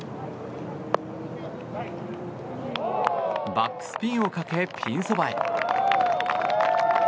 バックスピンをかけピンそばへ。